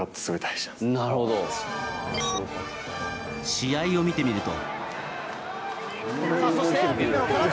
試合を見てみると。